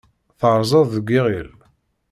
Terrẓeḍ deg yiɣil.